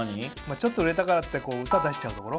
ちょっと売れたからって歌出しちゃうところ？